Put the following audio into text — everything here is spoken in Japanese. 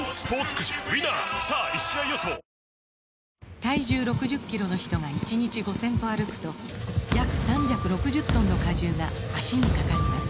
体重６０キロの人が１日５０００歩歩くと約３６０トンの荷重が脚にかかります